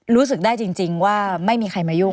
รู้สึกได้จริงว่าไม่มีใครมายุ่ง